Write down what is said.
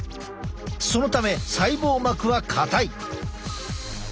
そのため細胞膜は硬い。